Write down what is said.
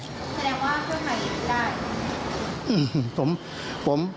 แสดงว่าเพื่อไทยยังได้